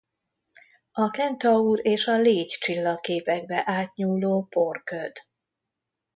A Kentaur és a Légy csillagképekbe átnyúló porköd.